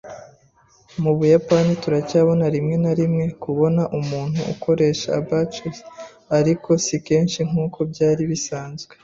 Mu Buyapani, turacyabona rimwe na rimwe kubona umuntu akoresha abacus, ariko si kenshi nkuko byari bisanzwe.